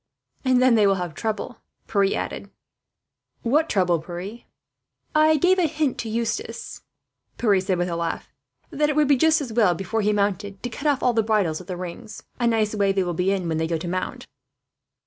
"And then they will have trouble," Pierre added. "What trouble, Pierre?" "I gave a hint to Eustace," Pierre said with a laugh, "that it would be just as well, before he mounted, to cut off all the bridles at the rings. A nice way they will be in, when they go to mount!"